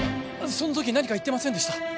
その時何か言ってませんでした？